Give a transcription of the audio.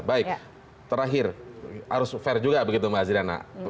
baik terakhir harus fair juga begitu mbak adriana